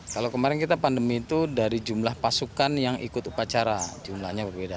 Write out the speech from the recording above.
kalau kemarin kita pandemi itu dari jumlah pasukan yang ikut upacara jumlahnya berbeda